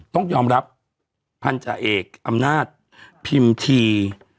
ต้องยอมรับพันธาเอกอำนาจพิมที